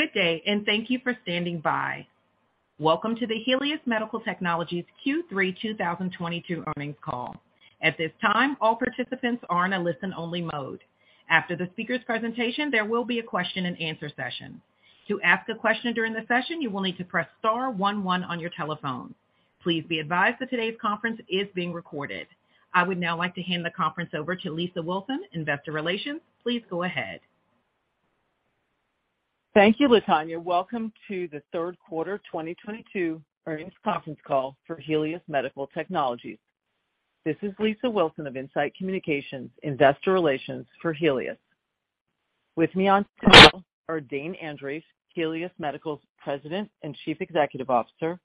Good day, and thank you for standing by. Welcome to the Helius Medical Technologies Q3 2022 earnings call. At this time, all participants are in a listen-only mode. After the speaker's presentation, there will be a question-and-answer session. To ask a question during the session, you will need to press star one one on your telephone. Please be advised that today's conference is being recorded. I would now like to hand the conference over to Lisa Wilson, Investor Relations. Please go ahead. Thank you, Latonya. Welcome to the third quarter 2022 earnings conference call for Helius Medical Technologies. This is Lisa Wilson of In-Site Communications, investor relations for Helius. With me on call are Dane Andreeff, Helius Medical's President and Chief Executive Officer,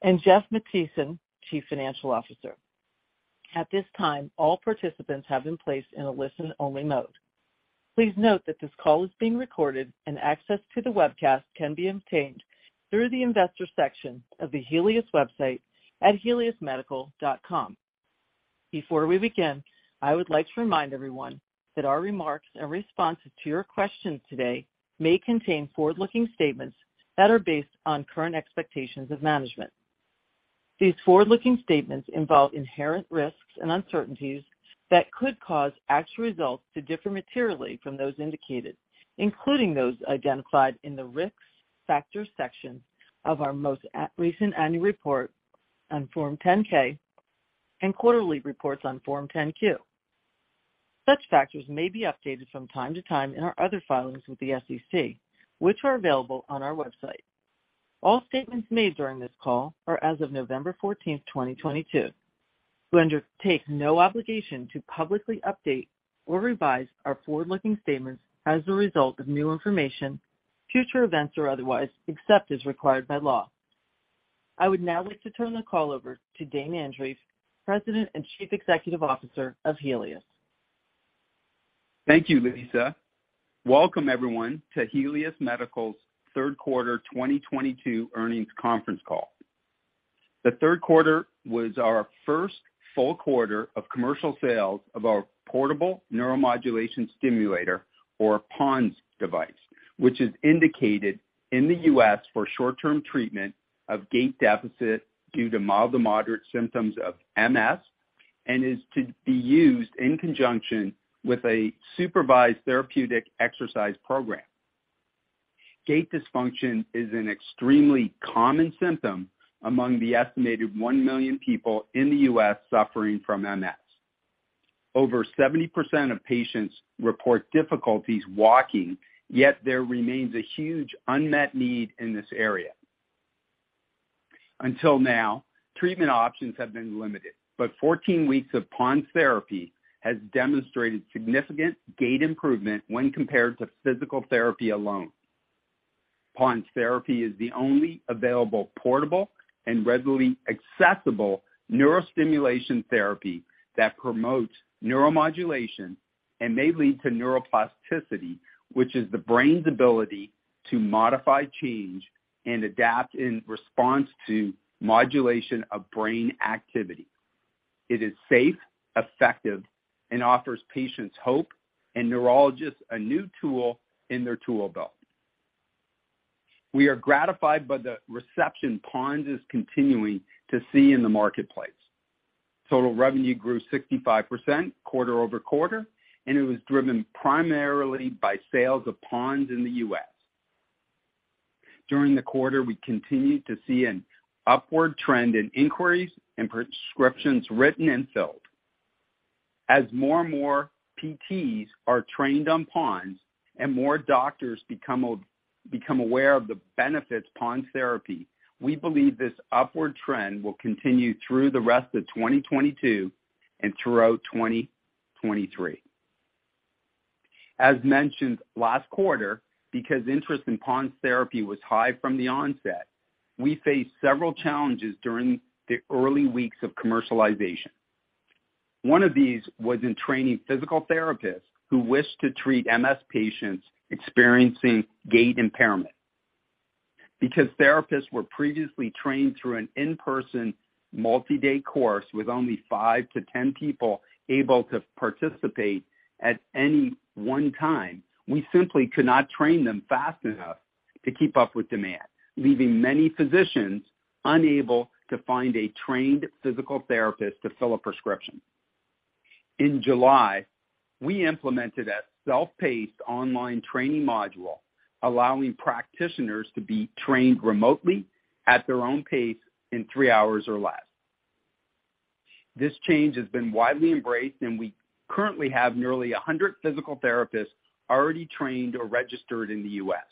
and Jeff Mathiesen, Chief Financial Officer. At this time, all participants have been placed in a listen-only mode. Please note that this call is being recorded, and access to the webcast can be obtained through the investor section of the Helius website at heliusmedical.com. Before we begin, I would like to remind everyone that our remarks in response to your questions today may contain forward-looking statements that are based on current expectations of management. These forward-looking statements involve inherent risks and uncertainties that could cause actual results to differ materially from those indicated, including those identified in the Risk Factors section of our most recent annual report on Form 10-K and quarterly reports on Form 10-Q. Such factors may be updated from time to time in our other filings with the SEC, which are available on our website. All statements made during this call are as of November 14th, 2022. We undertake no obligation to publicly update or revise our forward-looking statements as a result of new information, future events, or otherwise, except as required by law. I would now like to turn the call over to Dane Andreeff, President and Chief Executive Officer of Helius. Thank you, Lisa. Welcome everyone to Helius Medical's third quarter 2022 earnings conference call. The third quarter was our first full quarter of commercial sales of our portable neuromodulation stimulator or PoNS device, which is indicated in the U.S. for short-term treatment of gait deficit due to mild to moderate symptoms of MS, and is to be used in conjunction with a supervised therapeutic exercise program. Gait dysfunction is an extremely common symptom among the estimated 1 million people in the U.S. suffering from MS. Over 70% of patients report difficulties walking, yet there remains a huge unmet need in this area. Until now, treatment options have been limited. 14 weeks of PoNS therapy has demonstrated significant gait improvement when compared to physical therapy alone. PoNS therapy is the only available portable and readily accessible neurostimulation therapy that promotes neuromodulation and may lead to neuroplasticity, which is the brain's ability to modify, change, and adapt in response to modulation of brain activity. It is safe, effective, and offers patients hope and neurologists a new tool in their tool belt. We are gratified by the reception PoNS is continuing to see in the marketplace. Total revenue grew 65% quarter-over-quarter, and it was driven primarily by sales of PoNS in the U.S. During the quarter, we continued to see an upward trend in inquiries and prescriptions written and filled. As more and more PTs are trained on PoNS and more doctors become aware of the benefits of PoNS therapy, we believe this upward trend will continue through the rest of 2022 and throughout 2023. As mentioned last quarter, because interest in PoNS therapy was high from the onset, we faced several challenges during the early weeks of commercialization. One of these was in training physical therapists who wished to treat MS patients experiencing gait impairment. Because therapists were previously trained through an in-person multi-day course with only five-10 people able to participate at any one time, we simply could not train them fast enough to keep up with demand, leaving many physicians unable to find a trained physical therapist to fill a prescription. In July, we implemented a self-paced online training module, allowing practitioners to be trained remotely at their own pace in three hours or less. This change has been widely embraced, and we currently have nearly 100 physical therapists already trained or registered in the U.S.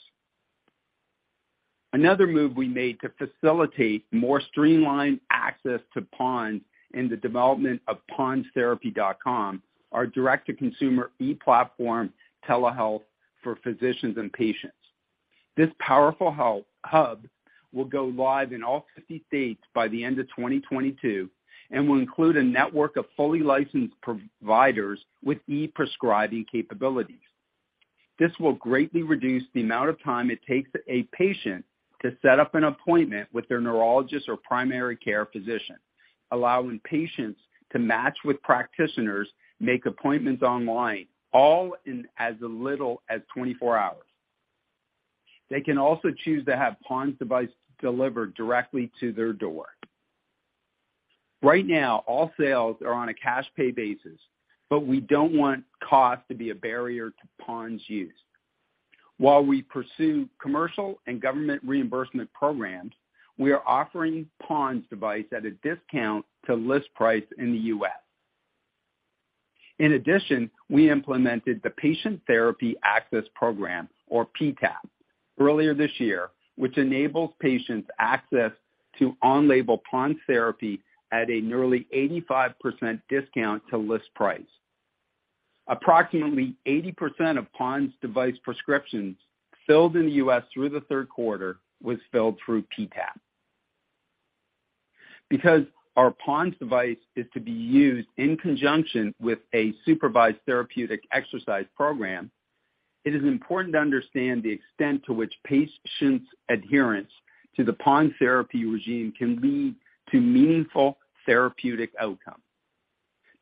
Another move we made to facilitate more streamlined access to PoNS in the development of ponstherapy.com, our direct-to-consumer e-platform telehealth for physicians and patients. This powerful hub will go live in all 50 states by the end of 2022 and will include a network of fully licensed providers with e-prescribing capabilities. This will greatly reduce the amount of time it takes a patient to set up an appointment with their neurologist or primary care physician, allowing patients to match with practitioners, make appointments online, all in as little as 24 hours. They can also choose to have PoNS device delivered directly to their door. Right now, all sales are on a cash pay basis, but we don't want cost to be a barrier to PoNS use. While we pursue commercial and government reimbursement programs, we are offering PoNS device at a discount to list price in the U.S. In addition, we implemented the Patient Therapy Access Program, or PTAP, earlier this year, which enables patients' access to on-label PoNS therapy at a nearly 85% discount to list price. Approximately 80% of PoNS device prescriptions filled in the U.S. through the third quarter was filled through PTAP. Because our PoNS device is to be used in conjunction with a supervised therapeutic exercise program, it is important to understand the extent to which patients' adherence to the PoNS therapy regimen can lead to meaningful therapeutic outcome.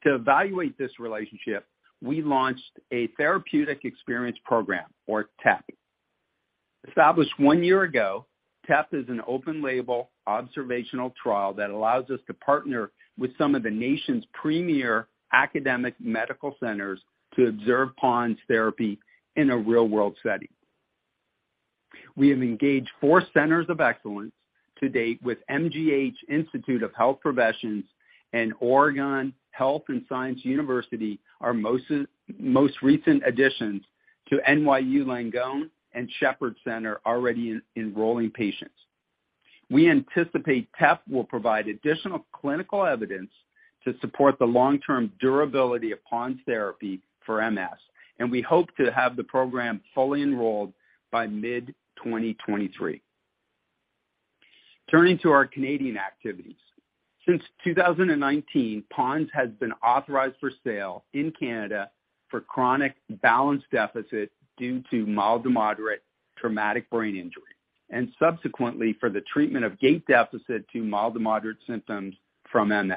To evaluate this relationship, we launched a therapeutic experience program, or TEP. Established one year ago, TEP is an open-label observational trial that allows us to partner with some of the nation's premier academic medical centers to observe PoNS therapy in a real-world setting. We have engaged four centers of excellence to date with MGH Institute of Health Professions and Oregon Health & Science University, our most recent additions to NYU Langone Health and Shepherd Center already enrolling patients. We anticipate TEP will provide additional clinical evidence to support the long-term durability of PoNS therapy for MS, and we hope to have the program fully enrolled by mid-2023. Turning to our Canadian activities. Since 2019, PoNS has been authorized for sale in Canada for chronic balance deficit due to mild to moderate traumatic brain injury, and subsequently for the treatment of gait deficit to mild to moderate symptoms from MS.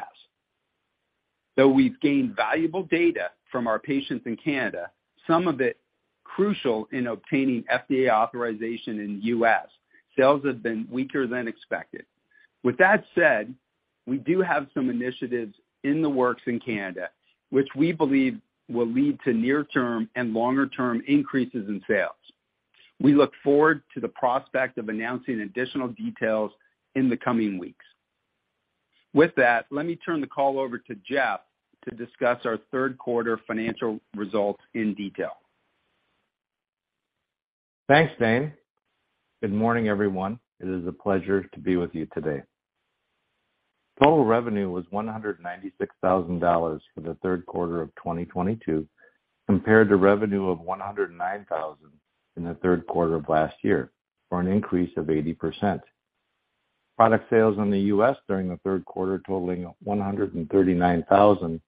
Though we've gained valuable data from our patients in Canada, some of it crucial in obtaining FDA authorization in the U.S., sales have been weaker than expected. With that said, we do have some initiatives in the works in Canada, which we believe will lead to near-term and longer-term increases in sales. We look forward to the prospect of announcing additional details in the coming weeks. With that, let me turn the call over to Jeff to discuss our third quarter financial results in detail. Thanks, Dane. Good morning, everyone. It is a pleasure to be with you today. Total revenue was $196,000 for the third quarter of 2022, compared to revenue of $109,000 in the third quarter of last year, for an increase of 80%. Product sales in the US during the third quarter totaling $139,000,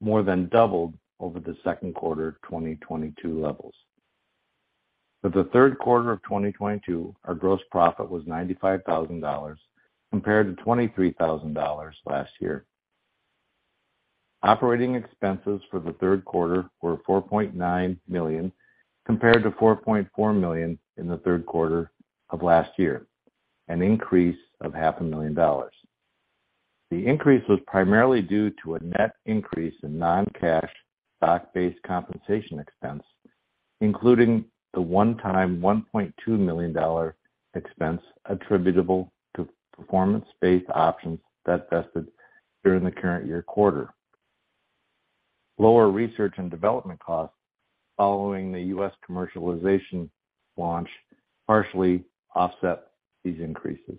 more than doubled over the second quarter of 2022 levels. For the third quarter of 2022, our gross profit was $95,000, compared to $23,000 last year. Operating expenses for the third quarter were $4.9 million, compared to $4.4 million in the third quarter of last year, an increase of half a million dollars. The increase was primarily due to a net increase in non-cash stock-based compensation expense, including the one-time $1.2 million expense attributable to performance-based options that vested during the current year quarter. Lower research and development costs following the U.S. commercialization launch partially offset these increases.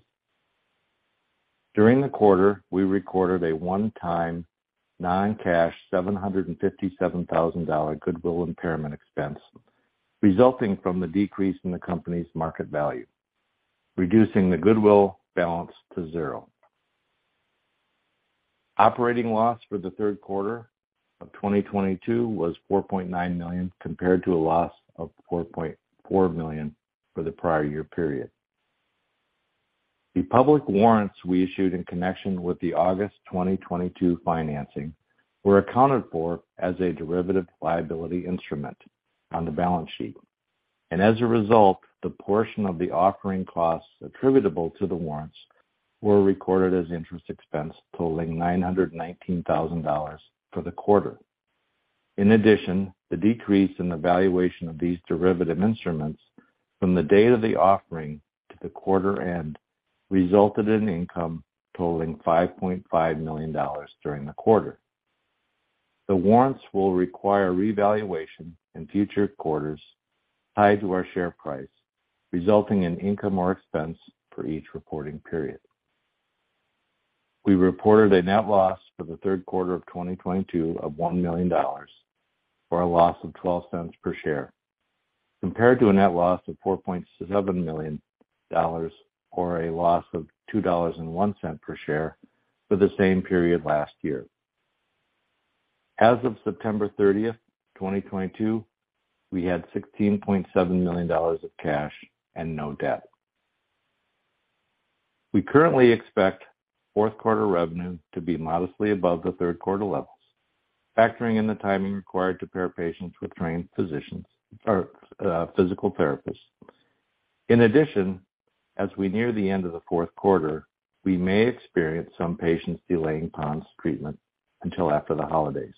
During the quarter, we recorded a one-time non-cash $757,000 goodwill impairment expense, resulting from the decrease in the company's market value, reducing the goodwill balance to zero. Operating loss for the third quarter of 2022 was $4.9 million, compared to a loss of $4.4 million for the prior year period. The public warrants we issued in connection with the August 2022 financing were accounted for as a derivative liability instrument on the balance sheet. As a result, the portion of the offering costs attributable to the warrants were recorded as interest expense totaling $919,000 for the quarter. In addition, the decrease in the valuation of these derivative instruments from the date of the offering to the quarter end resulted in income totaling $5.5 million during the quarter. The warrants will require revaluation in future quarters tied to our share price, resulting in income or expense for each reporting period. We reported a net loss for the third quarter of 2022 of $1 million, for a loss of $0.12 cents per share, compared to a net loss of $4.7 million, or a loss of $2.01 per share for the same period last year. As of September 30, 2022, we had $16.7 million of cash and no debt. We currently expect fourth quarter revenue to be modestly above the third quarter levels, factoring in the timing required to pair patients with trained physicians or physical therapists. In addition, as we near the end of the fourth quarter, we may experience some patients delaying PoNS treatment until after the holidays,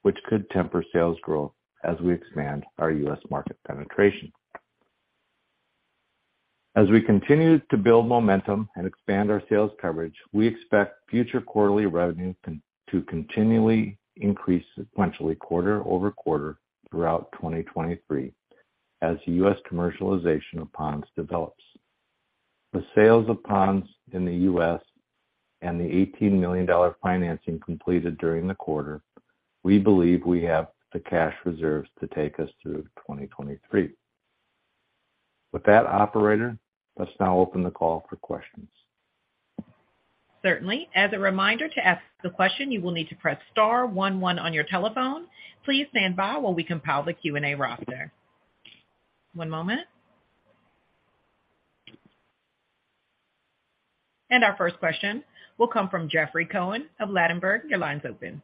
which could temper sales growth as we expand our U.S. market penetration. As we continue to build momentum and expand our sales coverage, we expect future quarterly revenue continue to continually increase sequentially quarter over quarter throughout 2023 as the U.S. commercialization of PoNS develops. With the sales of PoNS in the U.S. and the $18 million financing completed during the quarter, we believe we have the cash reserves to take us through 2023. With that, operator, let's now open the call for questions. Certainly. As a reminder, to ask the question, you will need to press star one one on your telephone. Please stand by while we compile the Q&A roster. One moment. Our first question will come from Jeffrey Cohen of Ladenburg Thalmann. Your line's open.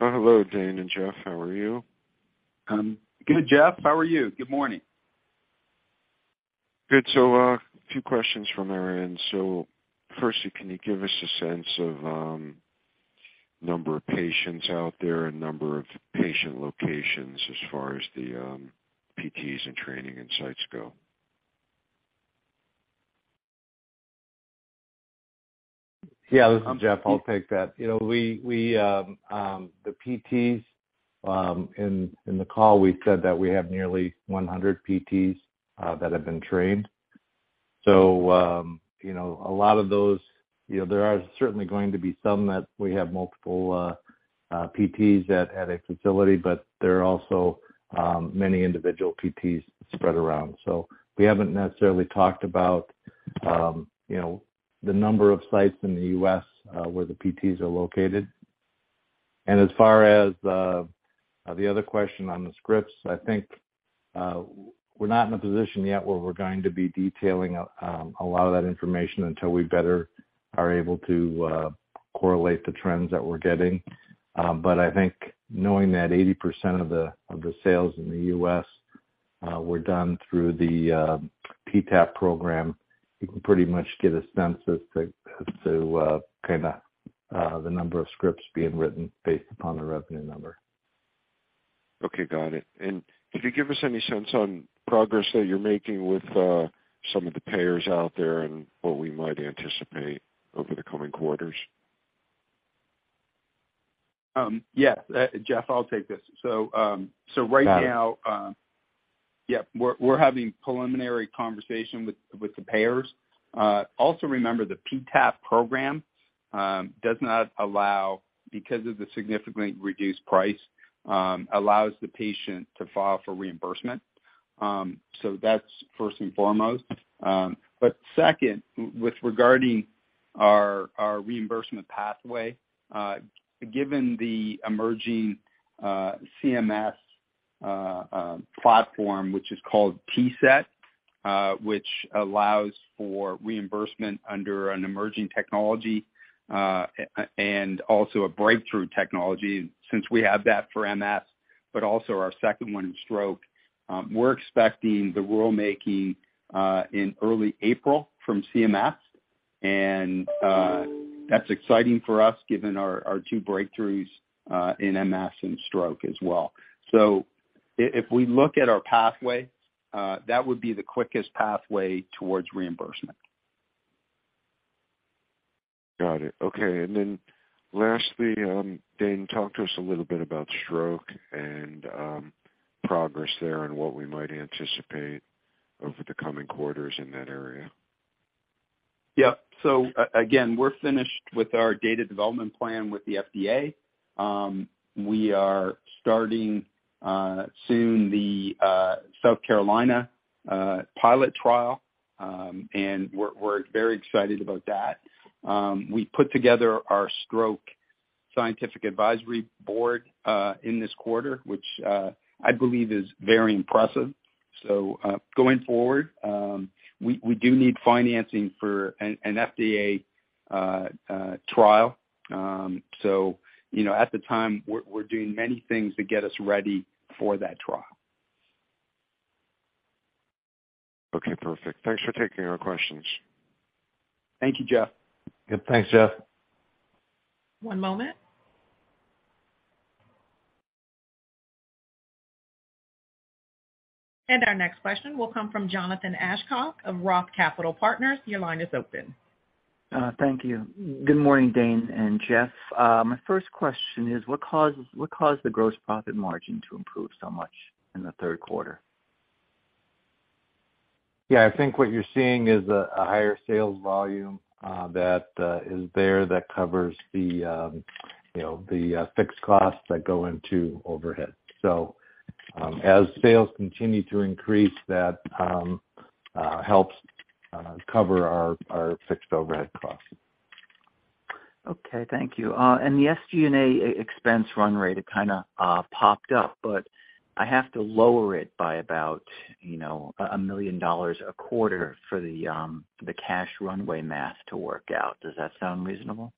Hello, Dane and Jeff. How are you? Good, Jeff. How are you? Good morning. Good. A few questions from our end. Firstly, can you give us a sense of number of patients out there and number of patient locations as far as the PTs in training and sites go? Yeah. This is Jeff. I'll take that. You know, we the PTs in the call, we said that we have nearly 100 PTs that have been trained. So you know, a lot of those, you know, there are certainly going to be some that we have multiple PTs at a facility, but there are also many individual PTs spread around. So we haven't necessarily talked about you know, the number of sites in the U.S. where the PTs are located. As far as the other question on the scripts, I think we're not in a position yet where we're going to be detailing a lot of that information until we better are able to correlate the trends that we're getting. I think knowing that 80% of the sales in the US were done through the PTAP program, you can pretty much get a sense as to kinda the number of scripts being written based upon the revenue number. Okay, got it. Could you give us any sense on progress that you're making with some of the payers out there and what we might anticipate over the coming quarters? Yeah. Jeff, I'll take this. Right now, Yeah. We're having preliminary conversations with the payers. Also remember, the PTAP program does not allow because of the significantly reduced price allows the patient to file for reimbursement That's first and foremost. Second, with regard to our reimbursement pathway, given the emerging CMS platform which is called TCET, which allows for reimbursement under an emerging technology and also a Breakthrough Technology since we have that for MS, but also our second one in stroke, we're expecting the rulemaking in early April from CMS. That's exciting for us given our two breakthroughs in MS and stroke as well. If we look at our pathway, that would be the quickest pathway towards reimbursement. Got it. Okay. Lastly, Dane, talk to us a little bit about stroke and progress there and what we might anticipate over the coming quarters in that area? Again, we're finished with our data development plan with the FDA. We are starting soon the South Carolina pilot trial. We're very excited about that. We put together our stroke scientific advisory board in this quarter, which I believe is very impressive. Going forward, we do need financing for an FDA trial. You know, at the time, we're doing many things to get us ready for that trial. Okay, perfect. Thanks for taking our questions. Thank you, Jeff. Yeah. Thanks, Jeff. One moment. Our next question will come from Jonathan Aschoff of Roth Capital Partners. Your line is open. Thank you. Good morning, Dane and Jeff. My first question is what caused the gross profit margin to improve so much in the third quarter? Yeah. I think what you're seeing is a higher sales volume that covers the, you know, the fixed costs that go into overhead. As sales continue to increase that helps. Cover our fixed overhead costs. Okay, thank you. The SG&A expense run rate, it kinda popped up, but I have to lower it by about $1 million a quarter for the cash runway math to work out. Does that sound reasonable?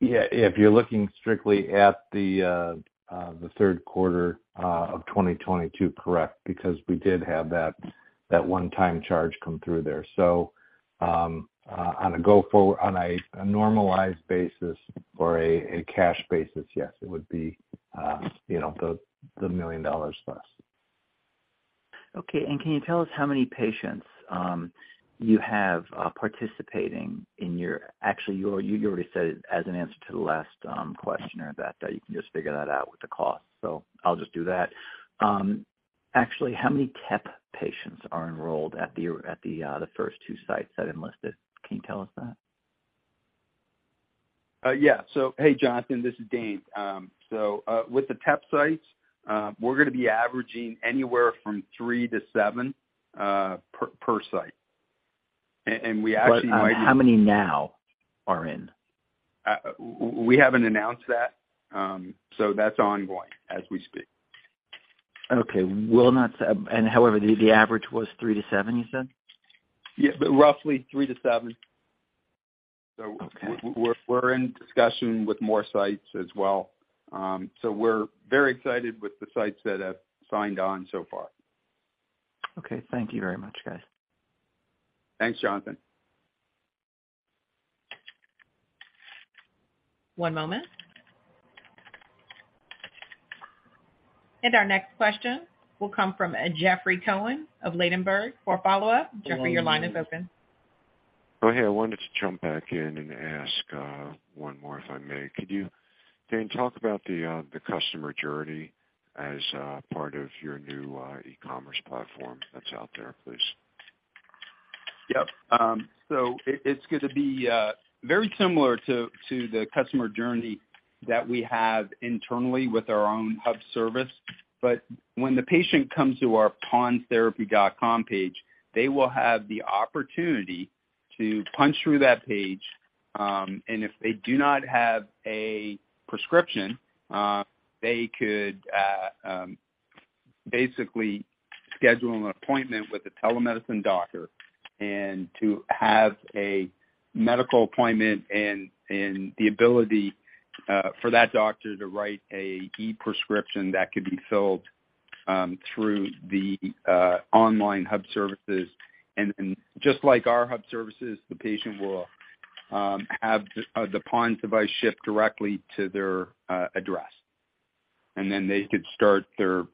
Yeah. If you're looking strictly at the third quarter of 2022, correct, because we did have that one-time charge come through there. On a normalized basis or a cash basis, yes, it would be, you know, the $1 million plus. Okay. Can you tell us how many patients you have participating. Actually, you already said it as an answer to the last questioner that you can just figure that out with the cost, so I'll just do that. Actually, how many TEP patients are enrolled at the first two sites that enlisted? Can you tell us that? Yeah. Hey, Jonathan, this is Dane. With the TEP sites, we're gonna be averaging anywhere from three-seven per site. We actually might. How many now are in? We haven't announced that, so that's ongoing as we speak. However, the average was three-seven, you said? Yeah. Roughly three-seven. Okay. We're in discussion with more sites as well. We're very excited with the sites that have signed on so far. Okay. Thank you very much, guys. Thanks, Jonathan. One moment. Our next question will come from Jeffrey Cohen of Ladenburg Thalmann for follow-up. Jeffrey, your line is open. Oh, hey. I wanted to jump back in and ask one more, if I may. Could you, Dane, talk about the customer journey as part of your new e-commerce platform that's out there, please? Yep. So it's gonna be very similar to the customer journey that we have internally with our own hub service. When the patient comes to our ponstherapy.com page, they will have the opportunity to punch through that page. If they do not have a prescription, they could basically schedule an appointment with a telemedicine doctor and to have a medical appointment and the ability for that doctor to write an e-prescription that could be filled through the online hub services. Just like our hub services, the patient will have the PoNS device shipped directly to their address. Then they could start their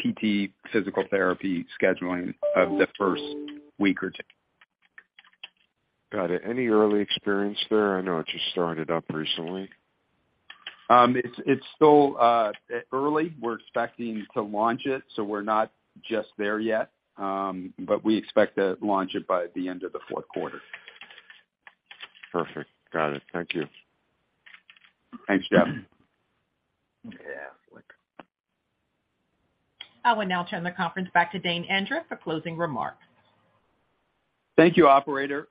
PT physical therapy scheduling of the first week or two. Got it. Any early experience there? I know it just started up recently? It's still early. We're expecting to launch it, so we're not just there yet. We expect to launch it by the end of the fourth quarter. Perfect. Got it. Thank you. Thanks, Jeff. Yeah. I will now turn the conference back to Dane Andreeff for closing remarks. Thank you, operator.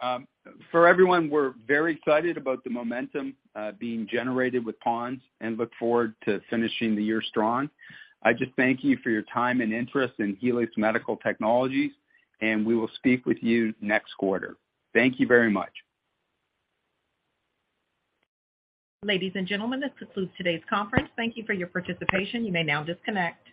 For everyone, we're very excited about the momentum being generated with PoNS and look forward to finishing the year strong. I just thank you for your time and interest in Helius Medical Technologies, and we will speak with you next quarter. Thank you very much. Ladies and gentlemen, this concludes today's conference. Thank you for your participation. You may now disconnect.